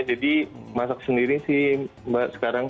jadi masak sendiri sih sekarang